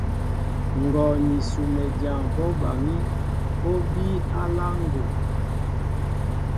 Ngɔ ni Sumedyaŋ bɔ́ baŋí , ó bíy á aláá ŋgum.